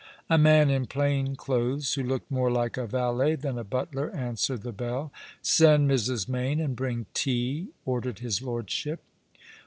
A man in plain clothes, who looked more like a valet than a butler, answered the bell. *^ Send Mrs. Mayne, and bring tea," ordered his lordship.